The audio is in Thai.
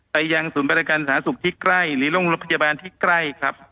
ยังศูนย์บริการสาธารณสุขที่ใกล้หรือโรงพยาบาลที่ใกล้ครับ